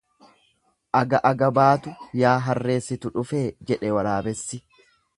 Aga aga baatu yaa harree situ dhufee jedhe waraabessi.